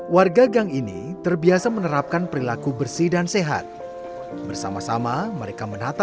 warga gang ini terbiasa menerapkan perilaku bersih dan sehat bersama sama mereka menata